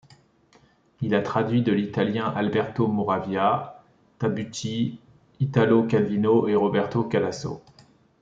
Il a traduit de l'italien Alberto Moravia, Tabucchi, Italo Calvino et Roberto Calasso.